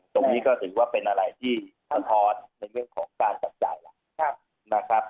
ตรงนี้ก็ถือว่าเป็นอะไรที่ทอดในเรื่องของการจับจ่าย